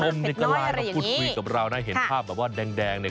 เมื่อการเปิดคุยกับเราคุณผู้ชมเห็นภาพแรงเนี่ย